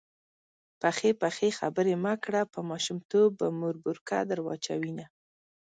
پخې پخې خبرې مه کړه_ په ماشومتوب به مور بورکه در واچوینه